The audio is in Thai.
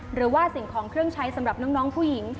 หรือว่าสิ่งของเครื่องใช้สำหรับน้องผู้หญิง